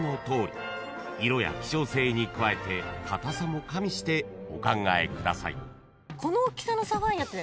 ［色や希少性に加えて硬さも加味してお考えください］